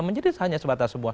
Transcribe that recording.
menjadi hanya sebatas sebuah